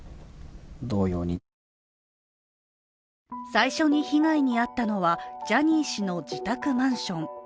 最初に被害に遭ったのはジャニー氏の自宅マンション。